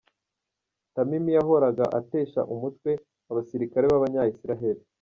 Tamimi yahoraga atesha umutwe abasirikare b’abanya Israheli.